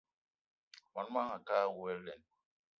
Mon manga a ke awou alen!